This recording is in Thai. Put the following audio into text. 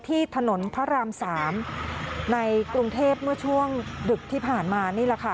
ที่ถนนพระราม๓ในกรุงเทพเมื่อช่วงดึกที่ผ่านมานี่แหละค่ะ